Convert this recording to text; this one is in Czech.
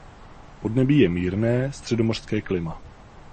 Podnebí je mírné středomořské klima.